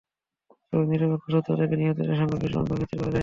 তবে নিরপেক্ষ সূত্র থেকে নিহতের সংখ্যার বিষয়টি চূড়ান্তভাবে নিশ্চিত করা যায়নি।